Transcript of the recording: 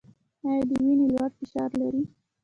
ایا د وینې لوړ فشار لرئ؟